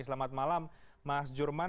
selamat malam mas jerman